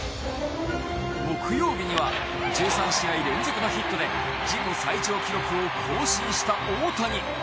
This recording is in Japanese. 木曜日には１３試合連続のヒットで自己最長記録を更新した大谷。